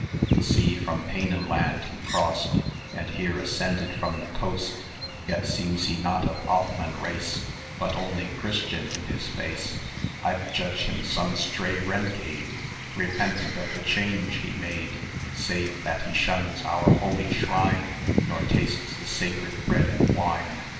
The sea from Paynim land he crost, And here ascended from the coast; Yet seems he not of Othman race, 810 But only Christian in his face: I'd judge him some stray renegade, Repentant of the change he made, Save that he shuns our holy shrine, Nor tastes the sacred bread and wine.